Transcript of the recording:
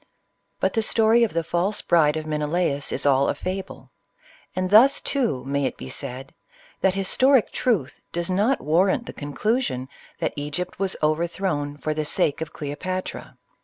But the story of the false bride of Menelaiis is all a fable ; and thus, too, may it be said, that historic truth does not warrant the conclusion, that Egypt was over thrown, for the sake of Cleopatra.